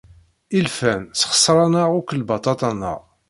Ilfan sxeṣren-aɣ akk lbaṭaṭa-nteɣ.